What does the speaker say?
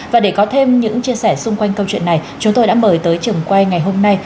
và để có thêm những chia sẻ xung quanh câu chuyện này chúng tôi đã mời tới trường quay ngày hôm nay